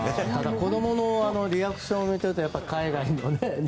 子供のリアクションを見てると海外のね。